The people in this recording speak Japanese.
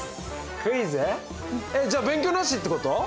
クイズ？じゃあ勉強なしってこと？